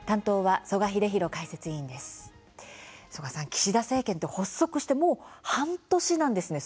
岸田政権って発足してもう半年なんですね。